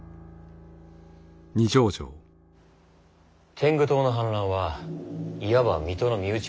天狗党の反乱はいわば水戸の身内の戦い。